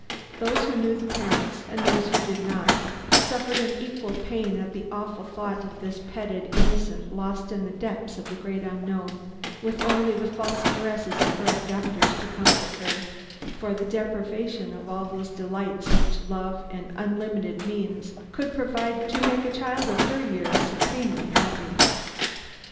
Those who knew the parents, and those who did not, suffered an equal pang at the awful thought of this petted innocent lost in the depths of the great unknown, with only the false caresses of her abductors to comfort her for the deprivation of all those delights which love and unlimited means could provide to make a child of her years supremely happy.